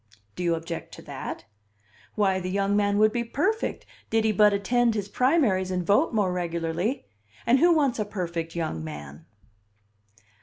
Do you object to that? Why, the young man would be perfect, did he but attend his primaries and vote more regularly, and who wants a perfect young man?